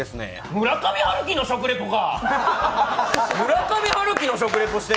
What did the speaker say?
村上春樹の食リポか。